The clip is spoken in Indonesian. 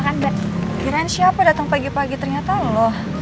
ternyata lo kira kira siapa dateng pagi pagi ternyata lo